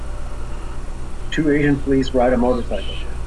Two Asian police ride a motorcycle.